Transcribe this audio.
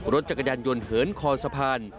รถจักรยานยนต์เหินคอสะพาน